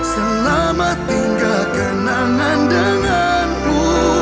selama tinggal kenangan denganmu